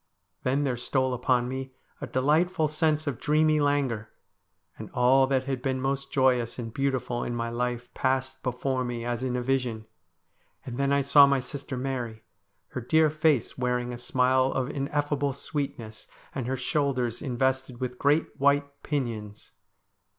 Then there stole upon me a delightful sense of dreamy languor, and all that had been most joyous and beautiful in my life passed before me as in a vision ; and then I saw my sister Mary, her dear face wearing a smile of ineffable sweetness, and her shoulders invested with great white pinions.